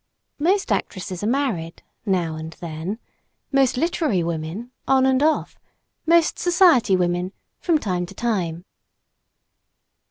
Most actresses are married now and then; most literary women off and on; most society women from time to time.